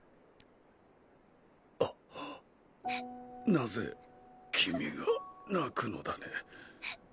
なぜ君が泣くのだね？